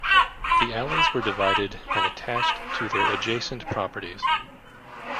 The alleys were divided and attached to their adjacent properties.